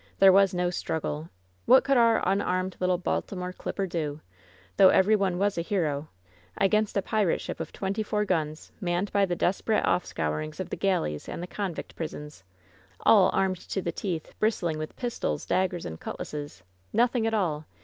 There was no struggle! ^ What could our unarmed little Baltimore clipper do — though every one was a hero — against a pirate ship of twenty four guns, manned by the desperate offscourings of the galleys and the convict prisons, all armed to the teeth, bristling with pistols, daggers and cutlasses ? Noth ing at all